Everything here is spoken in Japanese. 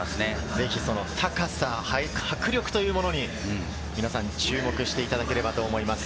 ぜひその高さ、迫力というものに皆さん、注目していただければと思います。